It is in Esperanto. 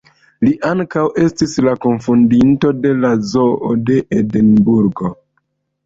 Li ankaŭ estis la kunfondinto de la zoo de Edinburgo.